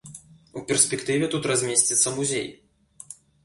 У перспектыве тут размесціцца музей.